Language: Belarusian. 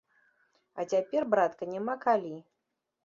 А цяпер, братка, няма калі.